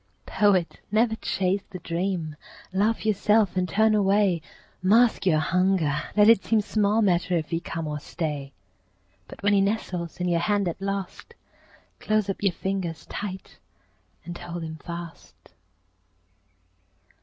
Poet, never chase the dream. Laugh yourself and turn away. Mask your hunger; let it seem Small matter if he come or stay; But when he nestles in your hand at last, Close up your fingers tight and hold him fast.